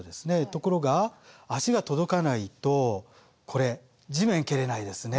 ところが足が届かないとこれ地面蹴れないですね。